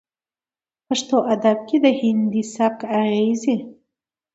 پښتو ادب کې د هندي سبک اغېزې